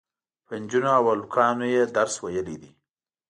په نجونو او هلکانو یې درس ویلی دی.